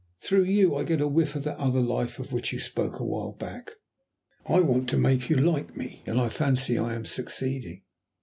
Through you I get a whiff of that other life of which you spoke a while back. I want to make you like me, and I fancy I am succeeding."